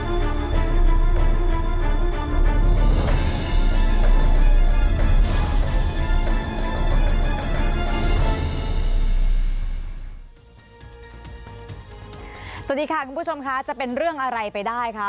สวัสดีค่ะคุณผู้ชมค่ะจะเป็นเรื่องอะไรไปได้คะ